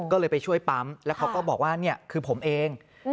ก็เลยไปช่วยปั๊มแล้วเขาก็บอกว่านี่คือผมเอง